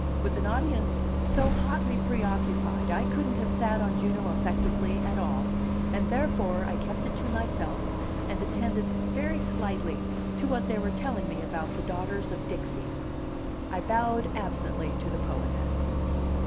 With an audience so hotly preoccupied I couldn't have sat on Juno effectively at all, and therefore I kept it to myself, and attended very slightly to what they were telling me about the Daughters of Dixie. I bowed absently to the poetess.